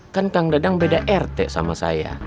kan kang dadang beda rt sama saya